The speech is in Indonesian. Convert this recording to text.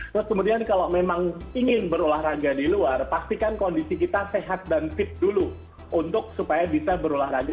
terus kemudian kalau memang ingin berolahraga di luar pastikan kondisi kita sehat dan fit dulu untuk supaya bisa berolahraga